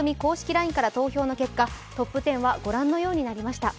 ＬＩＮＥから投票の結果、トップ１０はご覧のようになりました。